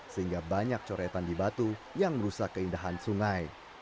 sehingga banyak coretan di batu yang merusak keindahan sungai